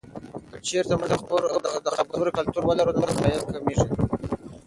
که چیرته موږ د خبرو اترو کلتور ولرو، نو مسایل کمېږي.